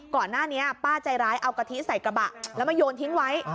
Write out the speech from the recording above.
ก่อนหน้านี้ป้าใจร้ายเอากะทิใส่กระบะแล้วมาโยนทิ้งไว้